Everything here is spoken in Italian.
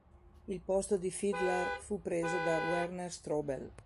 Il posto di Fiedler fu preso da Werner Strobel.